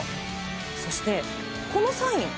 そして、このサイン。